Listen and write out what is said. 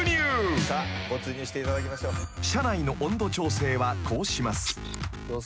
［車内の温度調整はこうします］